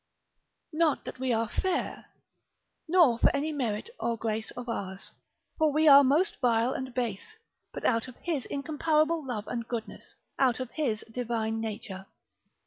Not that we are fair, nor for any merit or grace of ours, for we are most vile and base; but out of His incomparable love and goodness, out of His Divine Nature.